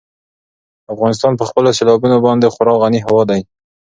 افغانستان په خپلو سیلابونو باندې خورا غني هېواد دی.